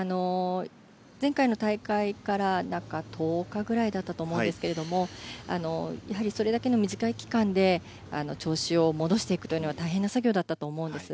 前回の大会から中１０日ぐらいだったと思うんですがやはり、それだけの短い期間で調子を戻していくというのは大変な作業だったと思うんです。